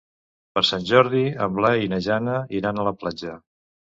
Per Sant Jordi en Blai i na Jana iran a la platja.